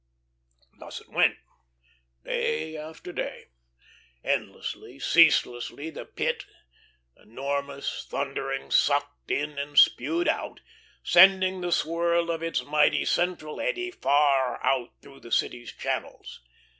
Thus it went, day after day. Endlessly, ceaselessly the Pit, enormous, thundering, sucked in and spewed out, sending the swirl of its mighty central eddy far out through the city's channels.